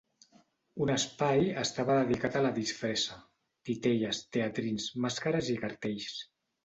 Un espai estava dedicat a la disfressa: titelles, teatrins, màscares i cartells.